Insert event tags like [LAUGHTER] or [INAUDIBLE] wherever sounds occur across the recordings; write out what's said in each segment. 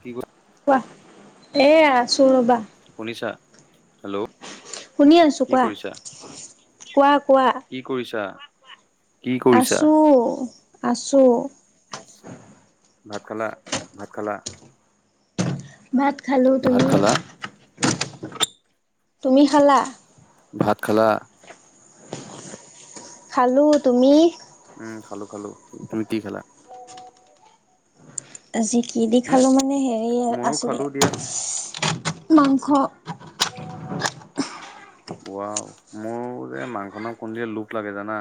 কি কৰি কোৱা এ আছো ৰ'বা শুনিছা হেল্ল' শুনি আছো কি কোৱা কৰিছা কোৱা কোৱা কি কৰিছা কি কৰিছা আছোঁ আছোঁ ভাত খালা ভাত খালা ভাত খালোঁ ভাত তুমি খালা তুমি খালা ভাত খালা। খালো তুমি। উম খালো খালো তুমি কি খালা। আজি কি দি হম খালো মানে হেৰি ময়ো আছিলে খালো দিয়া মাংস। [UNINTELLIGIBLE] ৱাও মোৰ যে মাংস ন কোন যে লোভ লাগে জানা।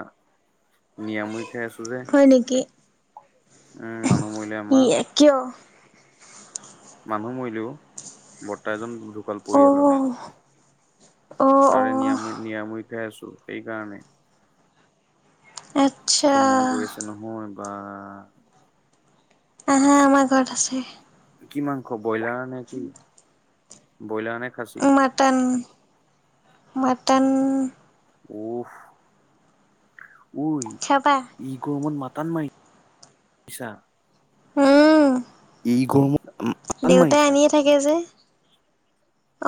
নিৰামুই খাই আছো যে হয় নেকি উম মানুহ মৰিলে ই আমাৰ। কিয়। মানুহ মৰিলেও বৰ্তা এজন ধু। অ অ অ তাৰে নিৰামুই নিৰামুই খাই আছো সেইকাৰণে। আচ্ছা মন গৈ আছে নহয় বা। আহা আমাৰ ঘৰত আছে। কি মাংস ব্ৰইলাৰ নে কি ব্ৰইলাৰ নে খাচী। Mutton mutton. উফ উই। চাবা। ই গৰমত মাতান মাৰিছা। উম। এই গৰমত। মাতান দেউতাই মাৰিছা আনিয়ে থাকে যে।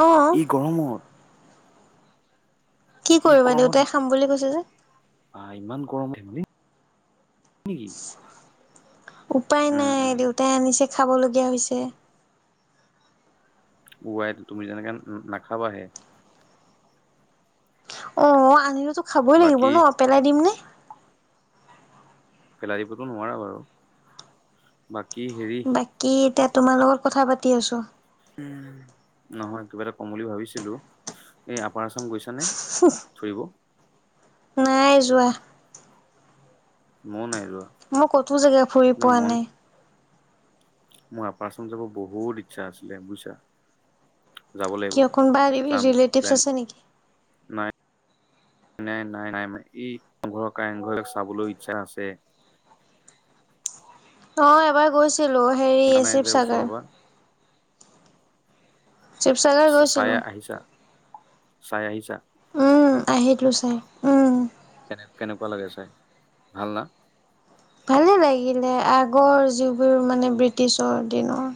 অ এই গৰমত। কি ই কৰিবা গৰমত দেউতাই খাম বুলি কৈছে যে। আহ ইমান গৰম ধে নেকি। উপায় উম নাই উম দেউতাই আনিছে খাবলগীয়া হৈছে। ৱাই তুমি যেনেকে নাখাবাহে। অ অ আনিলেতো খাবই লাগিব বাকী ন পেলাই দিমনে। পেলাই দিবতো নোৱাৰা বাৰু বাকী হেৰি। বাকী এতিয়া তোমাৰ লগত কথা পাতি আছো। নহয় কিবা এটা কম বুলি ভাবিছিলো। এই আপাৰ আছাম গৈছানে ফুৰিব। নাই যোৱা। মই নাই যোৱা। মই ক'তো জেগাই ফুৰি পোৱা নাই। মই আপাৰআচাম যাব বহুত ইচ্ছা আছিলে বুইছা। যাব লাগিব কিয় কোনোবা চাম ৰিলেটিভছ প্লেন। আছে নেকি? নাই নাই নাই নাই এই ৰং ঘৰ কাৰেং ঘৰ এইবিলাক চাবলৈ ইচ্ছা আছে। অ এবাৰ গৈছিলো হেৰি অনা নাই যে ওচৰৰ শিৱসাগৰ। পৰা শিৱসাগৰ চায় গৈছিলো। আহিছা চায় আহিছা। উম আহিলো চাই উম। কেনে কেনেকুৱা লাগে চাই ভাল না। ভালে লাগিলে আগৰ যিবোৰ মানে ব্ৰিটিছৰ দিনৰ।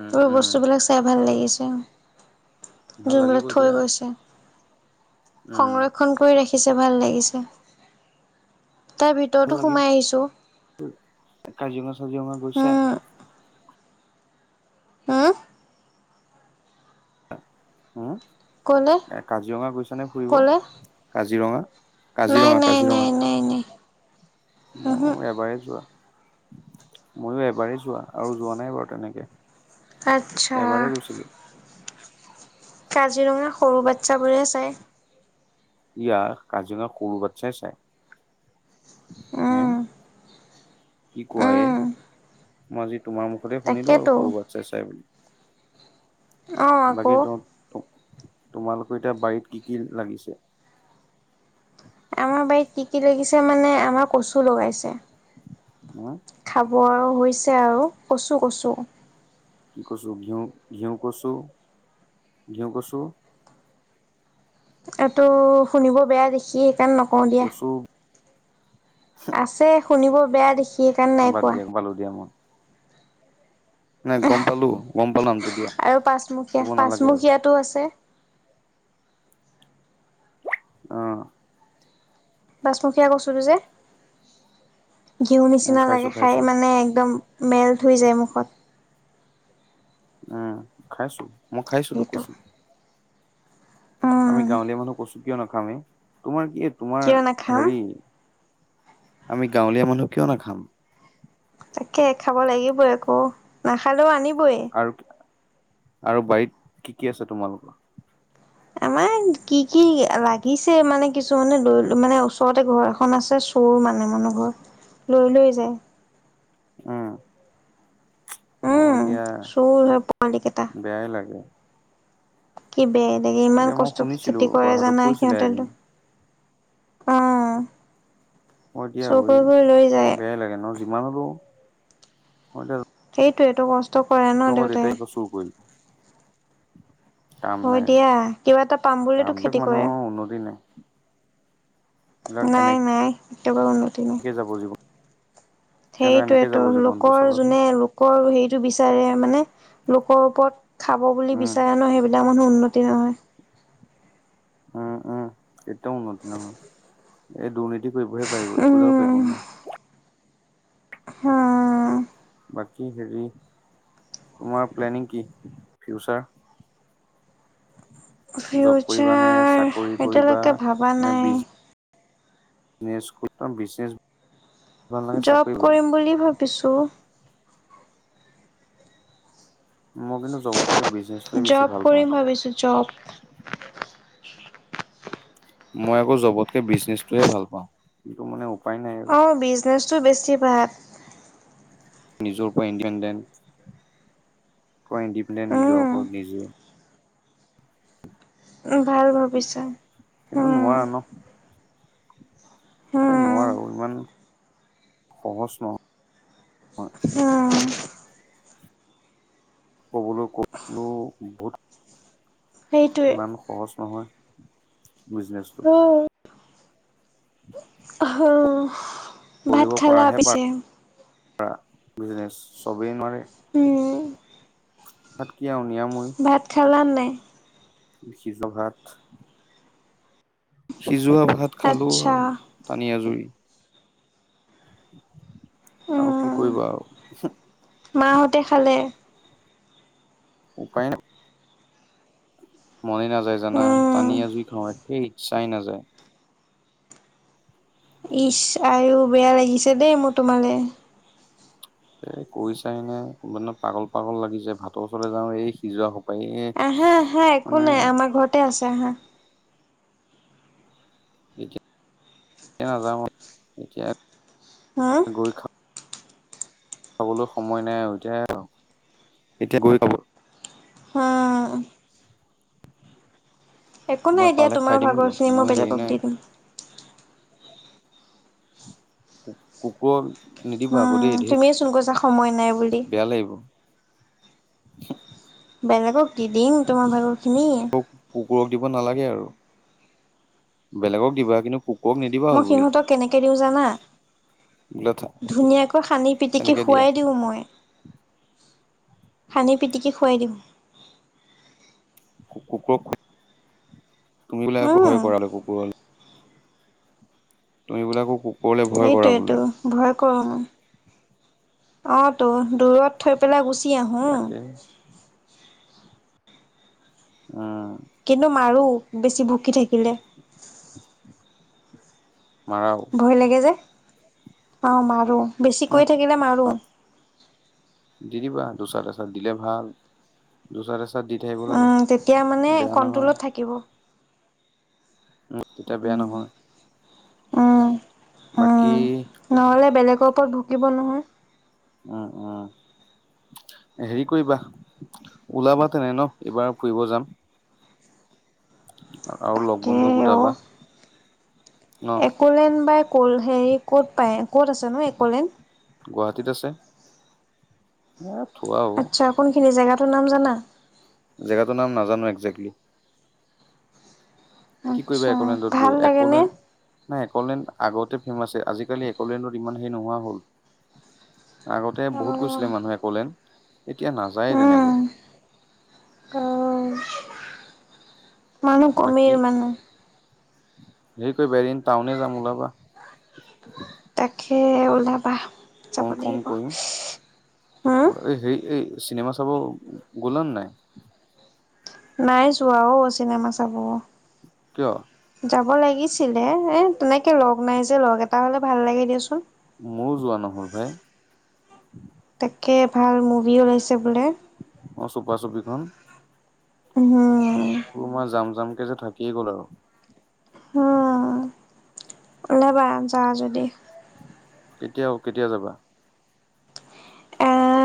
উম এই উম বস্তুবিলাক চাই ভাল লাগিছে। ভাল লাগিব যোনবিলাক থৈ দিয়া গৈছে। উম সংৰক্ষণ কৰি ৰাখিছে ভাল লাগিছে। তাৰ ভাল ভিতৰতো লাগিব সোমাই আহিছো। কাজিৰঙা, চাজিৰঙা গৈছা। উম উম উম, ক'লে এ কাজিৰঙা গৈছানে ফুৰিব ক'লে কাজিৰঙা। নাই কাজিৰঙা, নাই কাজিৰঙা নাই নাই নাই উহো মই এবাৰেই যোৱা। ময়ো এবাৰেই যোৱা আৰু যোৱা নাই বাৰু তেনেকে। আচ্ছা। এবাৰেই গৈছিলো কাজিৰঙা সৰু বাচ্ছাবোৰে চায়। ইয়াৰ কাজিৰঙা সৰু বাট চাই, চাই হে উম কি কোৱ এ উম মই আজি তোমাৰ মুখতে শুনিলো আৰু তাকেতো সৰুবাক চাই চাই বুলি অ আকৌ বাকী য তোমালোকৰ এতিয়া বাৰীত কি, কি লাগিছে। আমাৰ বাৰীত কি, কি লাগিছে মানে আমাৰ কচু লগাইছে। [UNINTELLIGIBLE] খাব হৈছে আৰু কচু, কচু কি কছো ঘিউ, ঘিউ কছু, ঘিউ কছো এইটো শুনিব বেয়া দেখি সেইকাৰণে নকওঁ দিয়া। কচু আছে শুনিব বেয়া দেখি। সেইকাৰণে নাই বাদ কোৱা দিয়ক পালো দিয়া মই। নাই গম পালো, গম পাল নামটো দিয়া ক'ব নালাগে আৰু। তটো আছে। অ'। বাছমুখীয়া কৈছোতো যে ঘিউ উ নিচিনা খাইছো লাগে খাই খাইছো মানে একদম। মেলট হৈ যায় মুখত। উম, খাইছো মই খাইছো তোক সেইটো। কচোন আমি উম, গাঁৱলীয়া মানুহ কচু কিয় নাখামেই তোমাৰ কি তোমাৰ কিয় নাখাম হেৰি আমি গাঁৱলীয়া মানুহ কিয় না খাম। তাকে খাব লাগিবই একো নাখালেও আনিবই। আৰু, আৰু বাৰীত কি, কি আছে তোমালোকৰ? আমাৰ কি, কি লাগিছে মানে কিছুমানে ল মানে ওচৰতে ঘৰ এখন আছে। সৰু মানেহ, মনোহৰ লৈ, লৈ যায়। উম, অ, উম, এতিয়য়া চোৰ হয় পোৱালি কেইটা। বেয়াই লাগে। কি বেয় এ থাকে ইমান এতিয়া মই কষ্টকে শুনিছিলো খেতি কৰে কথাটো জানা কৈছিলে সিহঁতেতো। এদিন মই এতিয়া চুৰ হ কৰি কৰি লৈ যায় বেয়াই লাগে ন যিমান হলেওঁ মই এতিয়া সেইটোৱ এইটো কষ্ট কৰে ন তোমালোকৰ দেউতাই। আকৌ চুৰ কৰি। হয় দিয়া কিবা এটা পাম বোলিতো কামবিলাক খেতি কৰে। মানুহৰ উন্নতি নাই। এইবিলাক নাই, এনেকে নাই একটো ব উন্নতি নাই। যাব, জিবন। সেইটোয় তটো জীৱনটো লোকৰ চাবাচোন যোনে লোকৰ হেৰিটো বিচাৰে মানে। লোকৰ ওপৰত খাব বুলি উম বিচাৰে ন সেইবিলাক মানুহ উন্নতি নহয়। উম, উম, এতিয়া উন্নতি নহয় এই দু ৰ্নীতি কৰিবহে পাৰিব একো দাল কৰিব উম নোৱাৰে। হা। বাকী হেৰি তোমাৰ প্লেনিং কি ফিউচাৰ? জব কৰিবা নে, ফিউচাৰ চাকৰি কৰিবা এতিয়ালৈকে ভাবা নে, নাই। বিজ বিজনেছ, বিজনেছ ভাল লাগে জপ চাকৰি ভাল লাগে কৰিম বুলি ভাবিছোঁ। মই কিন্তু জবতকে বিজিছ জব কৰিম ভাবিছোঁ জব। মই আকৌ জবতকে বিজনেচটোহে ভাল পাওঁ কিন্তু মানে উপায় নাই আৰু অ' বিজনেছটো বেছি ভাল। নিজৰ উপৰে ইণ্ডিপেণ্ডেণ্ট। ফৰ ইণ্ডিপেণ্ডেণ্ট নিজৰ ওপৰত উম নিজে। ভাল ভাবিছা। কিন্তু উম নোৱাৰোৱা ন'। এ, উম নোৱাৰোঁ, ইমান সহজ নহয়। উম। ক'বলৈ কলো বহুত সেইটোৱে। ইমান সহজ নহয় বিজনেচটো। [INAUDIBLE] অ ভাত কৰিব খালা পাৰাহে পিছে? পাৰা বিজনেছ চবেই নোৱাৰে। উম, ভাত কি আৰু নিয়ামৈ। ভাত খালা নে নাই? সিজ ঘাত সিজোৱা ভাত খালোঁ আচ্ছা, আৰু টানি আজুৰি। আৰু কি উম। কৰিবা আৰু। মাহঁতে খালে? উপাই নাই। মনে নাযায় জানা, উম। টানি আজুৰি খাওঁ, সেই ইচ্ছাই নাযায়। ইচ আইও বেয়া লাগিছে দেই মোৰ তোমালে। এ, কৈ চাই নাই। কোনোবা পাগল পাগল লাগি যায়। ভাতৰ ওচৰলৈ যাও এই সিজোৱা সপ আহা আহা একো নাই আমাৰ ঘৰতে আছে আহা। এয়া নাযাওঁ। এতিয়া হা? গৈ খা চাবলৈ সময় নাই আৰু এতিয়া। আৰু এতিয়া গৈ পাব হুম। একো মই নাই এতিয়া পালে খাই তোমাৰ দিম কিন্তু ভাগৰখিনি মোৰ মই হেৰি বেলেগক নাই দি দিম। কুকুৰক নিদিবা। আকৌ উ, দেই ধেই তুমিয়েচোন কৈছা সময় নাই বুলি। বেয়া লাগিব। বেলেগক দি দিম তোমাৰ ভাগৰখিনি। কুকুৰক দিব নালাগে আৰু বেলেগক দিবা কিন্তু কু মই সিহঁতক কেনেকৈ দিওঁ জানা? বোলে ধুনীয়াকৈ সানি পিটিকি কেনেকে দিয়া খোৱাই দিওঁ মই। সানি পিটিকি খুৱাই দিম। কুকুৰক তুমি বুলে আকৌ ভয় উম। কৰা আকৌ কুকুৰলে। তুমি বোলে আকৌ কুক সেইটোৱেইেতো ভয় কৰোঁ। অ'তো দূৰত থৈ পেলাই গুচি আহোঁ। তাকে উম। কিন্তু মাৰোঁ বেছি ভুকি থাকিলে। মাৰাও? ভয় লাগে যে। অ' মাৰোঁ, বেছি কৰি থাকিলে মাৰোঁ। দিদিবা, দুচাট এচাট দিলে ভাল। দুচাত এচাত দি থাকিব লাগে, উম, তেতিয়া মানে বেয়া নহয়। কন্ট্ৰলত থাকিব। উ, তেতিয়া বেয়া নহয়। উম, বাকী উম, নহ'লে বেলেগৰ ওপৰত ভুকিব নহয়। উম উম হেৰি কৰিবা ওলাবা তেনে ন এইবাৰ ফুৰিব যাম আৰু লগ তাকে বন্ধু গোটাবা ন এক'লেন বাাই ক'ল হেৰি ক'ত পায় ক'ত আছে নো এক'লেন গুৱাহাটীত আছে এ থোৱা হ আচ্ছা কোনখিনি জেগাটোৰ নাম জানা জেগাতটোৰ নাজানো একজেক্লি কি কৰিবা আচ্ছা এক'লেণ্ডত ভাল গৈ একো লাগেনে? নাই এ'কলেণ্ড আগতে ফেমাছ আজিকালি এ'কলেণ্ডত ইমান হেৰি নোহোৱা হ'ল। আগতে বহুত গৈছিলে অ' মানুহে এক'লেণ্ড এতিয়া নাযায় তেনেকে। উম, অ'। মানুহ বাকী, কমিল মানুহ হেৰি কৰিবা এদিন টাউনে যাম ওলাবা। তাকে ওলাবা। যাব ফোন ফোন লাগিব কৰিম। হম এই হেৰি এই চিনেমা চাব গ'লা নে নাই। নাই চোৱা অ' চিনেমা চাব। কিয়। যাব লাগিছিলে এই তেনেকৈ লগ নাই যে লগ এটা হ'লে ভাল লাগে দিয়াচোন। ময়ো যোৱা নহ'ল ভাই। তাকে ভাল মুভি ওলাইছে বোলে। অ' চুপা চুপি খন। উম। মোৰ মই যাম যামকে যে থাকিয়ে গ'ল আৰু। ওলবা যোৱা যদি। কেতিয়াও কেতিয়া যাবা।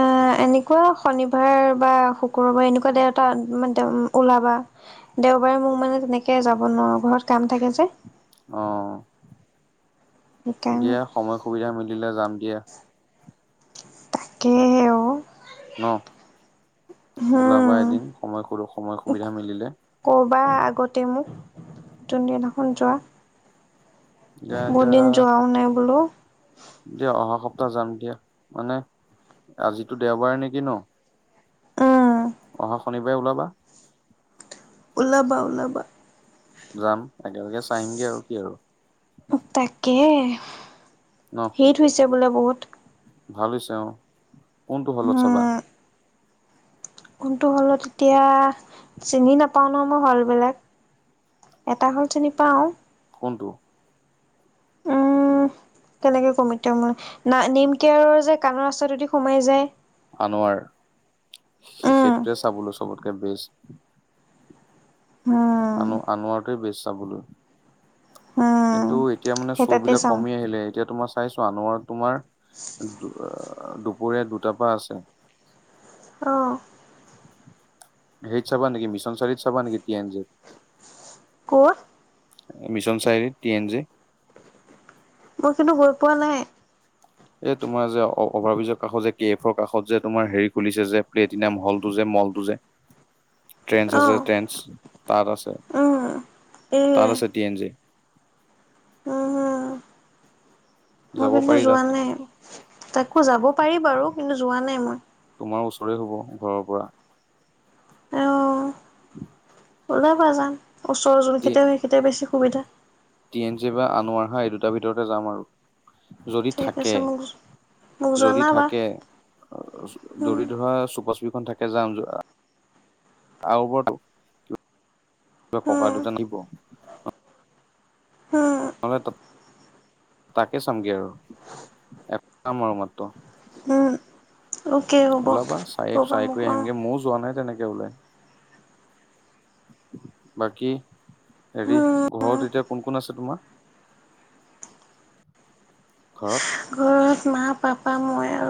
অ' এনেকুৱা শনিবাৰ বা শুকুৰবাৰ এনেকুৱা [UNINTELLIGIBLE] মানে ওলাবা। দেওবাৰে মোৰ মানে তেনেকৈ যাব নোৱাৰোঁ ঘৰত কাম থাকে যে। অ' সেইকাৰণে দিয়া সময় সুবিধা মিলিলে যাম দিয়া। তাকেহে অ ন। ওলাবা হম এদিন সময় সৰু সময় সুবিধা মিলিলে। ক'ৰবাৰ আগতে মোক, যোন দিনাখন যোৱা। বহুত দাদা। দিন যোৱাও নাই বোলো দিয়া অহা সপ্তাহ যাম দিয়া মানে, আজিতো দেওবাৰে নেকি ন। উম অ' শনিবাৰে ওলাবা। ওলাবা ওলাবা। যাম একেলগে চাই আহিমগে আৰু কি আৰু। তাকে, ন হিট হৈছে বোলে বহুত। ভাল হৈছে অ' কোনটো হলত চাবা। উম কোনটো হলত এতিয়া, চিনি নাপাও ন মই হল বিলাক। এটা হল চিনি পাওঁ। কোনটো। উম কেনেকে ক'ম এতিয়া মই না নেম কেয়াৰৰ যে কাণৰ ৰাস্তাটোৱেই দি সোমাই যায়। আনোৱাৰ, সে উম সেইটোতে চাবলৈ চবতকে বেষ্ট। উম আনো আনোৱাৰতো বেছ চাবলৈ। উম কিন্তু এতিয়া মানে সেই শ্ব' তাতে বিলাক চাওঁ কমি আহিলে এতিয়া তোমাৰ চাইছো আনোৱাৰত তোমাৰ দুপৰীয়া দুটাৰ পৰা আছে। অ'। হেৰিত চাবা নেকি মিছন চাৰিত চাবা নেকি টি এন জি। ক'ত? মিছন চাৰিৰিত টি এন জি। মই কিন্তু গৈ পোৱা নাই। এ তোমাৰ যে অভাৰ ব্ৰিজৰ কাষৰ যে গে এফৰ কাষত যে তোমাৰ হেৰি খুলিছে যে, প্লেটিনাম হলটো যে মলটো যে [INAUDIBLE] ট্ৰেনছ অ' আছে, ট্ৰেনছ তাত আছে। উম, এ তাত আছে, টি এন জি। উম, হম, মই যাব কিন্তু পাৰি যোৱা তাত নাই, তাকো যাব পাৰি বাৰু কিন্তু যোৱা নাই মই। তোমাৰ ওচৰে হ'ব ঘৰৰ পৰা। অ', ওলাবা যাম, ওচৰৰ যোন টি কেইতা সেইকেইতা বেছি সুবিধা। টি এন জি বা আনোৱাৰ হা এই দুটাৰ ভিতৰতে যাম আৰু, যদি ঠিক থাকে। আছে মোক মোক যদি জনাবা থাকে, উম, যদি ধৰা চুপা খন থাকে যাম, যোৱা আৰু ওপৰতো ককাই। উম, [UNINTELLIGIBLE] [UNINTELLIGIBLE] নহলে তা-তাকে চামগে আৰু। [UNINTELLIGIBLE] উম, অ'কে হ'ব ওলাবা চাই ক'বা চাই মোক কৰি অ', আহিমগে, মইও যোৱা নাই তেনেকে ওলাই। বাকী, হেৰি উম, ঘৰত এতিয়া কোন কোন আছে তোমাৰ? ঘৰত? ঘৰত মা, পাপা, মই আৰু